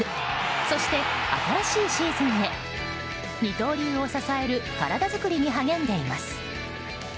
そして新しいシーズンへ二刀流を支える体作りに励んでいます。